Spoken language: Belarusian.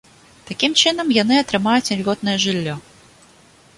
Такім чынам, яны атрымаюць ільготнае жыллё.